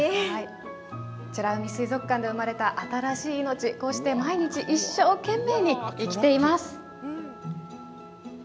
美ら海水族館で産まれた新しい命こうして毎日、一生懸命に生きています。